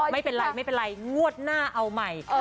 ไม่เป็นไรไม่เป็นไรงวดหน้าเอาใหม่